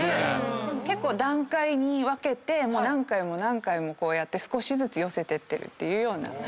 結構段階に分けて何回も何回もこうやって少しずつ寄せてってる感じです。